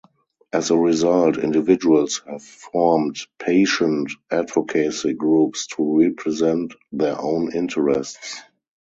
As a result, individuals have formed patient advocacy groups to represent their own interests.